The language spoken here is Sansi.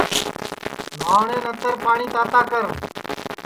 نہواٹؔے نتر پاٹؔی تاتا کرو